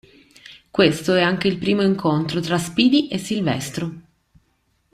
Questo è anche il primo incontro tra Speedy e Silvestro.